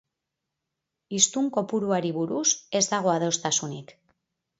Hiztun kopuruari buruz ez dago adostasunik.